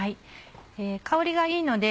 香りがいいので。